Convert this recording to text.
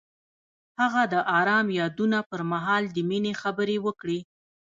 هغه د آرام یادونه پر مهال د مینې خبرې وکړې.